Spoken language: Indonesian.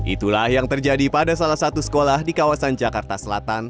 itulah yang terjadi pada salah satu sekolah di kawasan jakarta selatan